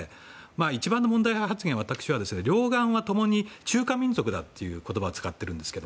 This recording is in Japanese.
一番の問題発言は私は、両岸は共に中華民族だという言葉を使っていますが。